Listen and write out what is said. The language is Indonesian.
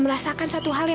ayah jangan marah marah ya